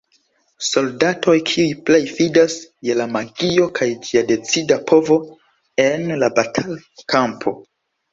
Soldatoj kiuj plej fidas je la magio kaj ĝia decida povo en la batal-kampo.